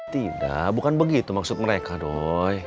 tidak bukan begitu maksud mereka dong